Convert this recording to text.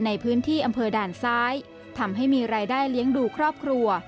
ในพื้นที่อำเภอด่านซ้ายทำให้มีรายได้เลี้ยงดูครอบครัว